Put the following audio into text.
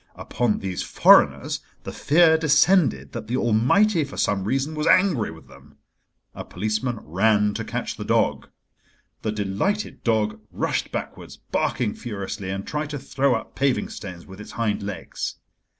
Upon these foreigners the fear descended that the Almighty, for some reason, was angry with them. A policeman ran to catch the dog. The delighted dog rushed backwards, barking furiously, and tried to throw up paving stones with its hind legs.